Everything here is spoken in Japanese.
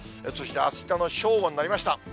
そしてあしたの正午になりました。